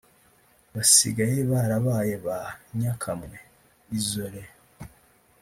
basigaye barabaye ba nyakamwe (isolés)